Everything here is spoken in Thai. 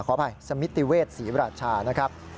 ขออภัยสมิติเวชศรีราชานะครับ